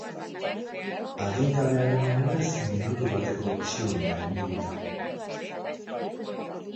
Adingabearen omenez minutu bateko isilunea egingo dute.